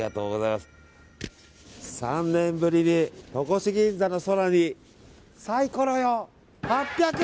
３年ぶりに戸越銀座の空にサイコロよ、８００円！